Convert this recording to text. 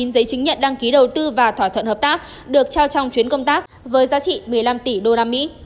ba mươi chín giấy chứng nhận đăng ký đầu tư và thỏa thuận hợp tác được trao trong chuyến công tác với giá trị một mươi năm tỷ usd